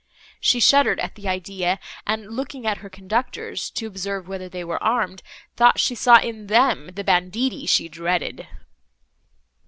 She shuddered at the idea, and, looking at her conductors, to observe whether they were armed, thought she saw in them the banditti she dreaded!